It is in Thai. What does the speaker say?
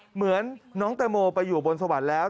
เหมือนน้องแตงโมไปอยู่บนสวรรค์แล้ว